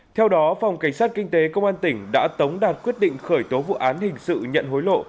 theo đó phòng cảnh sát kinh tế công an tỉnh đã tống đạt quyết định khởi tố vụ án hình sự nhận hối lộ